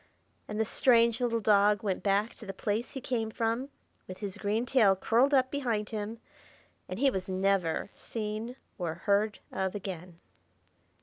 And the strange little dog went back to the place he came from, with his green tail curled up behind him; and he was never seen or heard of again.